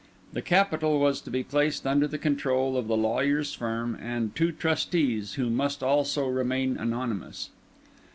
The capital was to be placed under the control of the lawyer's firm and two trustees who must also remain anonymous.